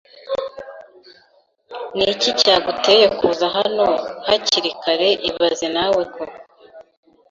Niki cyaguteye kuza hano hakiri kare ibaze nawe koko